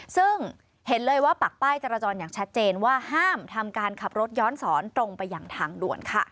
ซึ่งเห็นเลยว่าปักป้ายจรจรอย่างชัดเจนว่าห้ามทำการขับรถย้อนสอนตรงไปอย่างทางด่วนค่ะ